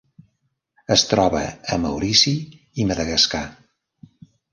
Es troba a Maurici i Madagascar.